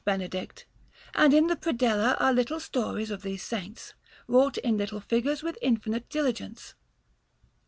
Benedict; and in the predella are little stories of these Saints, wrought in little figures with infinite diligence.